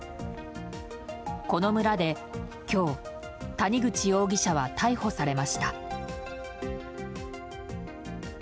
この村で今日谷口容疑者は逮捕されました。